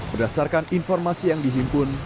berdasarkan informasi yang dihimpun